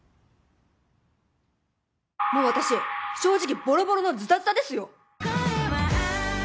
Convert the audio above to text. もう私正直ボロボロのズタズタですよ！